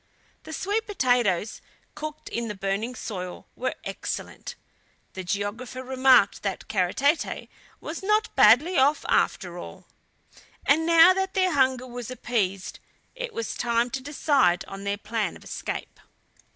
The sweet potatoes, cooked in the burning soil, were excellent. The geographer remarked that Kara Tete was not badly off after all. And now that their hunger was appeased, it was time to decide on their plan of escape.